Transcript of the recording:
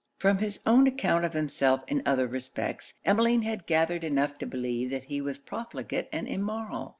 From his own account of himself in other respects, Emmeline had gathered enough to believe that he was profligate and immoral.